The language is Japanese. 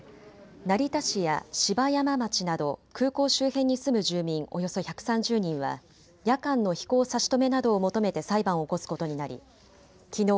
成田市や芝山町など空港周辺に住む住民およそ１３０人は夜間の飛行差し止めなどを求めて裁判を起こすことになりきのう